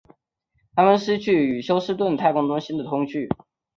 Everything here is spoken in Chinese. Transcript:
他们失去与休斯顿太空中心的通讯。